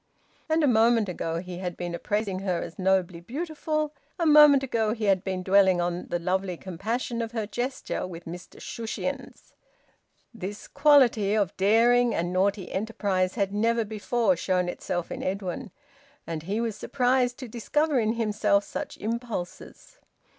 (And a moment ago he had been appraising her as nobly beautiful! A moment ago he had been dwelling on the lovely compassion of her gesture with Mr Shushions!) This quality of daring and naughty enterprise had never before shown itself in Edwin, and he was surprised to discover in himself such impulses.